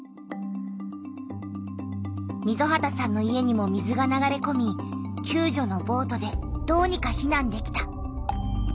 溝端さんの家にも水が流れこみきゅう助のボートでどうにか避難できた。